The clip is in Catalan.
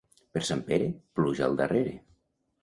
Per Sant Pere, pluja al darrere.